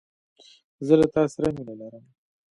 زه له تاسره مينه لرم